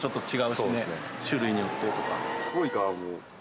種類によってとか。